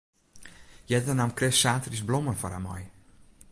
Earder naam Chris saterdeis blommen foar har mei.